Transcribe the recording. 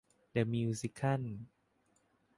เดอะมิวสิคัล